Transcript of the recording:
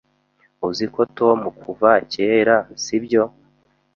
Uziko Tom kuva kera, sibyo?